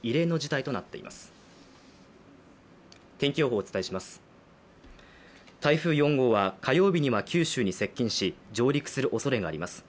台風４号は火曜日には九州に接近し上陸するおそれがあります。